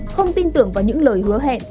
không tin tưởng vào những lời hứa hẹn